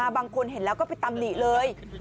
บางคนเห็นแล้วก็ไปตำหนิเลย